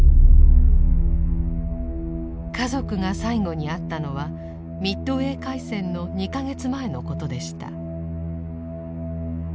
家族が最後に会ったのはミッドウェー海戦の２か月前のことでした。